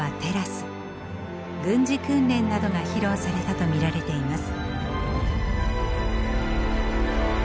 軍事訓練などが披露されたと見られています。